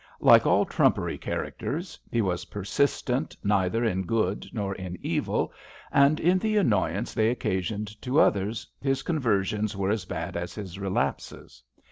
Like all trumpery characters, he was persistent neither in good nor in evil, and in the annoyance they occasioned to others his conversions were as bad as his relapses.